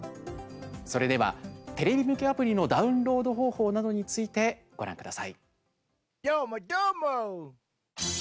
それではテレビ向けアプリのダウンロード方法などについてどーも、どーも！